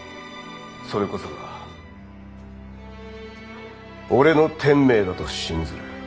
それこそが俺の天命だと信ずる。